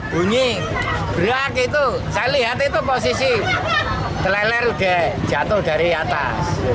bunyi berak itu saya lihat itu posisi teleler udah jatuh dari atas